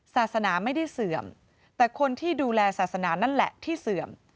ศาสนาไม่ได้เสื่อมแต่คนที่ดูแลศาสนานั่นแหละที่เสื่อม